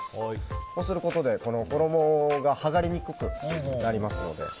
こうすることで衣が剥がれにくくなりますので。